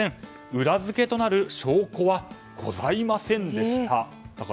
裏付けとなる証拠はございませんでした。